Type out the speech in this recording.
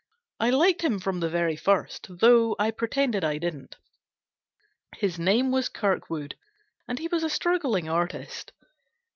I liked him from the very first, though I pretended I didn't. His name was Kirkwood, and he was a struggling artist.